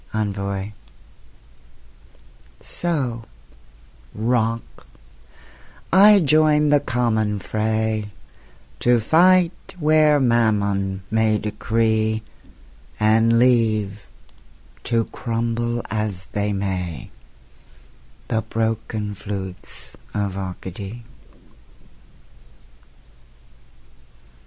ENVOY So, Rock, I join the common fray, To fight where Mammon may decree; And leave, to crumble as they may, The broken flutes of Arcady.